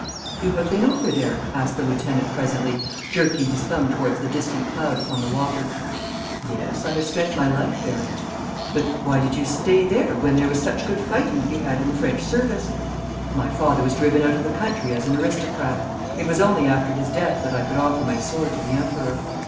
'You have been over there?' asked the lieutenant presently, jerking his thumb towards the distant cloud upon the water. 'Yes, I have spent my life there.' 'But why did you stay there when there was such good fighting to be had in the French service?' 'My father was driven out of the country as an aristocrat. It was only after his death that I could offer my sword to the Emperor.'